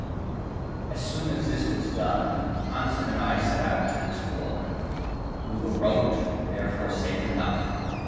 As soon as this was done Hanssen and I set out to explore. We were roped, and therefore safe enough.